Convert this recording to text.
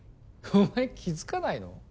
お前気づかないの？